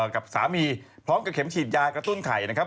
กับสามีพร้อมกับเข็มฉีดยากระตุ้นไข่นะครับ